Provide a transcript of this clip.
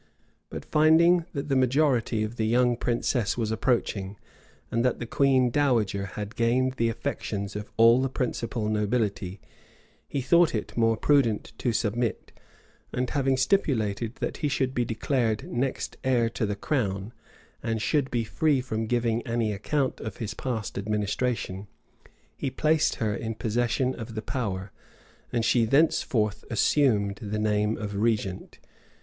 But finding that the majority of the young princess was approaching, and that the queen dowager had gained the affections of all the principal nobility, he thought it more prudent to submit; and having stipulated that he should be declared next heir to the crown, and should be freed from giving any account of his past administration, he placed her in possession of the power, and she thenceforth assumed the name of regent.